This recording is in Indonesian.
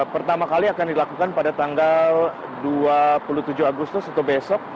pertama kali akan dilakukan pada tanggal dua puluh tujuh agustus atau besok